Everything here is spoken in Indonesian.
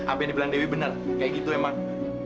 apa yang dibilang dewi benar kayak gitu emang